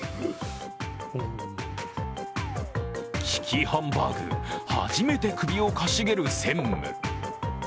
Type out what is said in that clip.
ききハンバーグ、初めて首をかしげる専務。